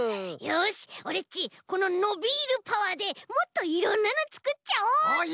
よしオレっちこのノビールパワーでもっといろんなのつくっちゃおうっと！